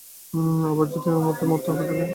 আবার যদি এমন হয় আমাকে মরতে দেবে, ঠিক আছে?